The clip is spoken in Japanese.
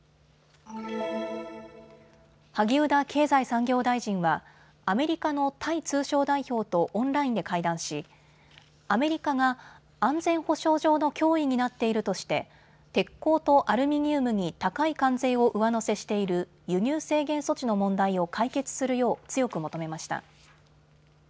萩生田経済産業大臣はアメリカのタイ通商代表とオンラインで会談しアメリカが安全保障上の脅威になっているとして鉄鋼とアルミニウムに高い関税を上乗せしている輸入制限措置の問題を解決するよう強く求めました。